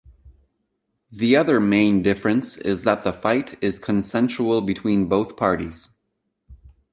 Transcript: The other main difference is that the fight is consensual between both parties.